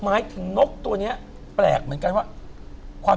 หมายถึงนกตัวนี้แปลกเหมือนกันว่าความ